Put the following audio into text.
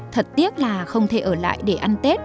thật tiếc là không thể ở lại để ăn tết